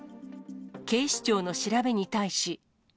警視庁の調べに対し。